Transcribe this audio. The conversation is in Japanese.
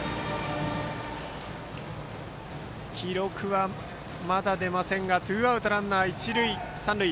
記録はまだ出ませんがツーアウトランナー、一塁三塁。